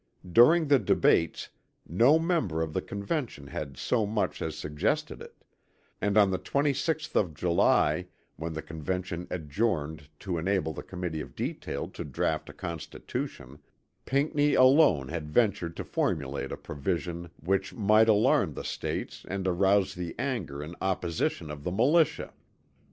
During the debates no member of the Convention had so much as suggested it; and on the 26th of July when the Convention adjourned to enable the Committee of Detail to draught a constitution, Pinckney alone had ventured to formulate a provision which might alarm the States and arouse the anger and opposition of the militia.